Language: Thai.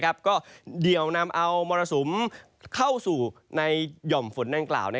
ก็เดี่ยวนำเอามรสุมเข้าสู่ในหย่อมฝนดังกล่าว